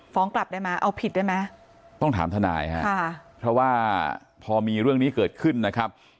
กลับได้ไหมเอาผิดได้ไหมต้องถามทนายฮะค่ะเพราะว่าพอมีเรื่องนี้เกิดขึ้นนะครับ